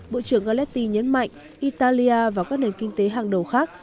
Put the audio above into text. bộ trưởng galeti nhấn mạnh italia và các nền kinh tế hàng đầu khác